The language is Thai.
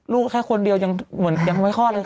ลูกแค่คนเดียวยังไม่คลอดเลย